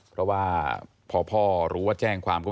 เพราะว่าพ่อรู้แจ้งความว่า